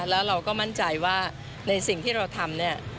แล้วเราก็มั่นใจว่าในสิ่งที่เราทำเนี่ย